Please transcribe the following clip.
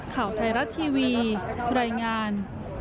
ข่าวไทยรัฐทีวีรายงาน